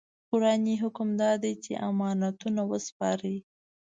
قرآني حکم دا دی چې امانتونه وسپارئ.